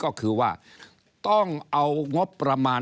ก็จะมาจับทำเป็นพรบงบประมาณ